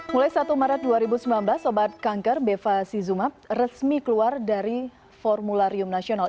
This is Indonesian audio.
mulai satu maret dua ribu sembilan belas obat kanker bevacizumab resmi keluar dari formularium nasional